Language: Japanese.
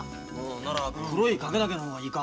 なら黒い影だけの方がいいか。